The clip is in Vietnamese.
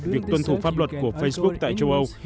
việc tuân thủ pháp luật của facebook tại châu âu